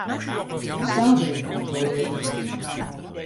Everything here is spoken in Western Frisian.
Stavering kontrolearje.